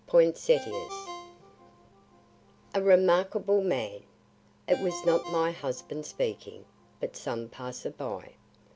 POINSETTIAS "A remarkable man!" It was not my husband speaking, but some passerby.